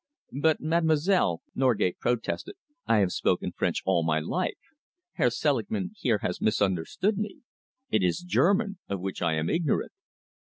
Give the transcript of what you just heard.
"But, mademoiselle," Norgate protested, "I have spoken French all my life. Herr Selingman here has misunderstood me. It is German of which I am ignorant."